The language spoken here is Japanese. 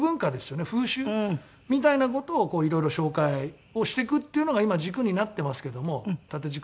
風習みたいな事をいろいろ紹介をしていくっていうのが今軸になってますけども縦軸としては。